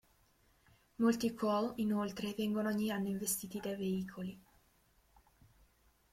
Molti quoll, inoltre, vengono ogni anno investiti dai veicoli.